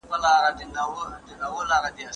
عرضه باید په مناسبه بیه وي.